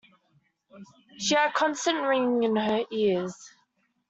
She had a constant ringing in her ears.